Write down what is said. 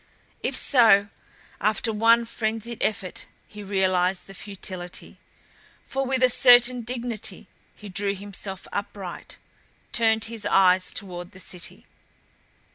If so, after one frenzied effort he realized the futility, for with a certain dignity he drew himself upright, turned his eyes toward the city.